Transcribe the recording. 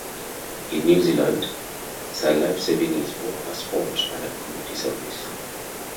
In New Zealand, surf lifesaving is both a sport and a community service.